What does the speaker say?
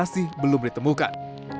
masih belum ditemukan